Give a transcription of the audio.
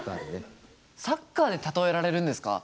サッカーで例えられるんですか？